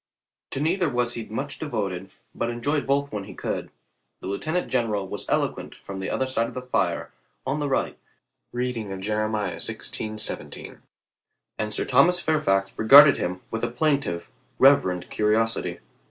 To neither was he much devoted, but enjoyed both when he could. The lieutenant gen eral was eloquent from the other side of the fire on the right reading of Jeremiah xvi:i7, and Sir Thomas Fairfax regarded him with a plaintive, rev erent curiosity.